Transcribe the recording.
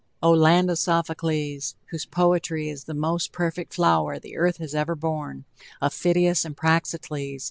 Oh, land of Sophocles! whose poetry is the most perfect flower the earth has ever borne, of Phidias and Praxiteles!